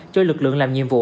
cho lực lượng làm nhiệm vụ